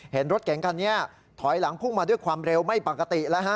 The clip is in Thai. เห็นรถเก๋งคันนี้ถอยหลังพุ่งมาด้วยความเร็วไม่ปกติแล้วฮะ